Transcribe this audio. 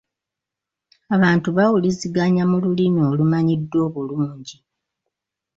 Abantu bawuliziganya mu lulimi olumanyiddwa obulungi.